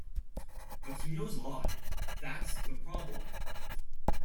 But he knows a lot, that's the problem.